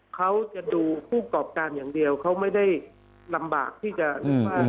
เขาจะดูผู้กรอบการอย่างเดียวเขาไม่ได้ลำบากที่จะนึกว่า